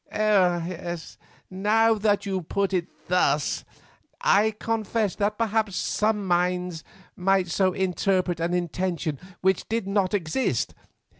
"Now that you put it thus, I confess that perhaps some minds might so interpret an intention which did not exist.